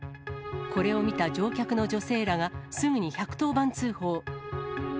これを見た乗客の女性らが、すぐに１１０番通報。